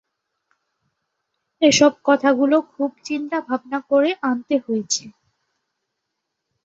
এসব কথাগুলো খুব চিন্তা-ভাবনা করে আনতে হয়েছে।